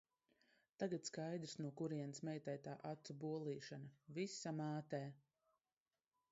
Tagad skaidrs, no kurienes meitai tā acu bolīšana – visa mātē.